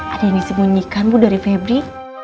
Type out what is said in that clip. ada yang disembunyikan bu dari febri